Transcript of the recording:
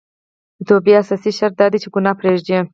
د توبې اساسي شرط دا دی چې ګناه پريږدي